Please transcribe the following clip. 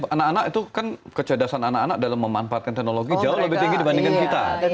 dan anak anak itu kan kecerdasan anak anak dalam memanfaatkan teknologi jauh lebih tinggi dibandingkan kita